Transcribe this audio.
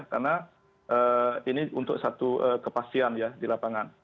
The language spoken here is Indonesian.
karena ini untuk satu kepastian ya di lapangan